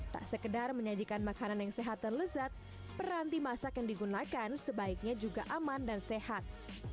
tak sekedar menyajikan makanan yang sehat dan lezat peranti masak yang digunakan sebaiknya juga aman dan sehat